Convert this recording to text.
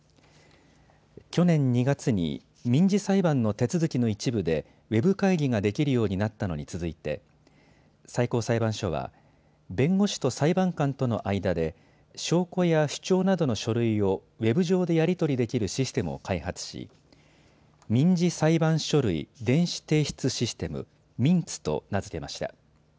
去年２月に民事裁判の手続きの一部でウェブ会議ができるようになったのに続いて最高裁判所は弁護士と裁判官との間で証拠や主張などの書類をウェブ上でやり取りできるシステムを開発し民事裁判書類電子提出システム・ｍｉｎｔｓと名付けました。